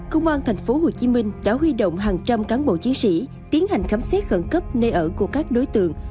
công an tp hcm đã huy động hàng trăm cán bộ chiến sĩ tiến hành khám xét khẩn cấp nơi ở của các đối tượng